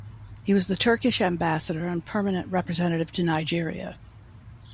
He was the Turkish Ambassador and Permanent Representative to Nigeria.